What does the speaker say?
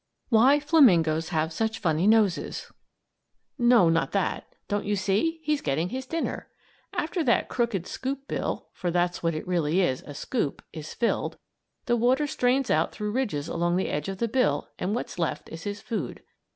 WHY FLAMINGOES HAVE SUCH FUNNY NOSES No, not that. Don't you see, he's getting his dinner? After that crooked scoop bill for that's what it really is, a scoop is filled, the water strains out through ridges along the edge of the bill and what's left is his food.